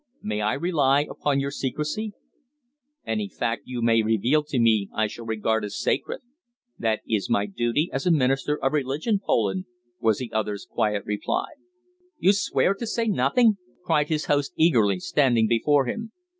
May I rely upon your secrecy?" "Any fact you may reveal to me I shall regard as sacred. That is my duty as a minister of religion, Poland," was the other's quiet reply. "You swear to say nothing?" cried his host eagerly, standing before him.